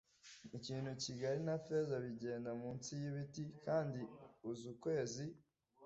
ikintu kigari na feza bigenda munsi yibiti, kandi uzi ukwezi